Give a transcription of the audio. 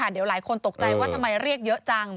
เดี๋ยวหลายคนตกใจว่าทำไมเรียกเยอะจัง